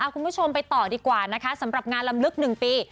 คุณผู้ชมไปต่อดีกว่านะคะสำหรับงานลำลึก๑ปี